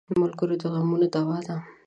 ملګری د غمونو دوا ده.